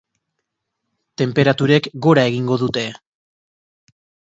Tenperaturek gora egingo dute.